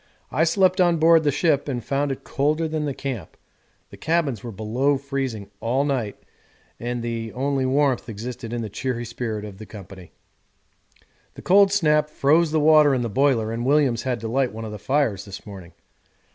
I slept on board the ship and found it colder than the camp the cabins were below freezing all night and the only warmth existed in the cheery spirit of the company. The cold snap froze the water in the boiler and Williams had to light one of the fires this morning.